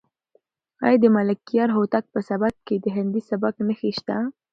آیا د ملکیار هوتک په سبک کې د هندي سبک نښې شته؟